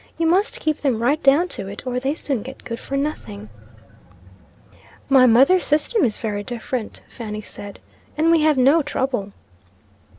You must keep them right down to it, or they soon get good for nothing." "My mother's system is very different," Fanny said "and we have no trouble."